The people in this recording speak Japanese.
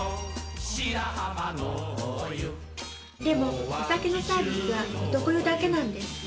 でもお酒のサービスは男湯だけなんです。